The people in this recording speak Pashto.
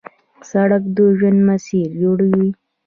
سړک د ژوند مسیر جوړوي.